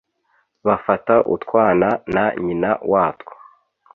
bafata utwana na nyina watwo